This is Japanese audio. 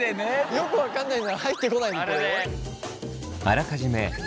よく分かんないなら入ってこないでくれる？